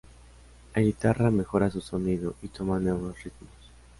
La guitarra mejora su sonido y toma nuevos ritmos.